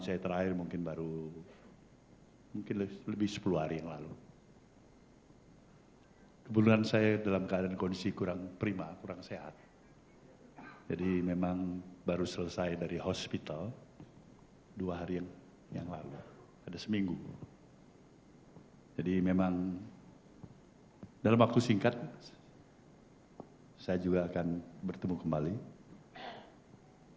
saya ingin menegaskan kembali komunikasi dengan pak jokowi berjalan